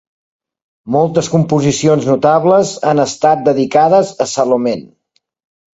Moltes composicions notables ha estat dedicades a Salonen.